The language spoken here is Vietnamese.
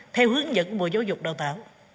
theo hướng dẫn của bộ giáo dục đào tạo